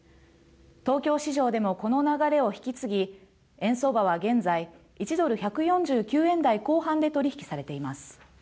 東京市場でもこの流れを引き継ぎ円相場は現在、１ドル１４９円台後半で取り引きされています。